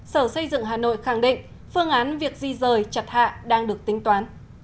sở xây dựng hà nội khẳng định phương án việc di rời chặt hạ đang được tính toán